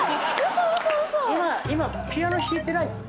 今ピアノ弾いてないです。